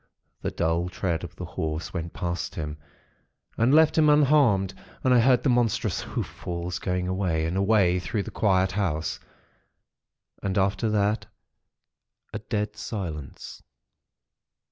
The dull tread of the Horse went past him, and left him unharmed; and I heard the monstrous hoof falls going away and away through the quiet house; and after that a dead silence.